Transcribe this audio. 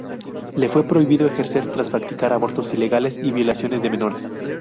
Le fue prohibido ejercer tras practicar abortos ilegales y violaciones de menores.